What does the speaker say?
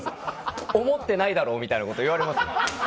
「思ってないだろ」みたいなこと言われますもん。